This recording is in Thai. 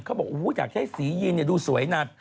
เขาบอกอยากให้สียีนดูสวยนาน